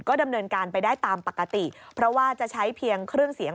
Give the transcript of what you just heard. ดำเนินการไปได้ตามปกติเพราะว่าจะใช้เพียงเครื่องเสียง